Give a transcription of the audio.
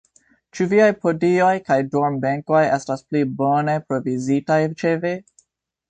Ĉu viaj podioj kaj dormbenkoj estas pli bone provizitaj ĉe vi?